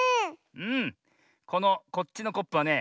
このこっちのコップはね。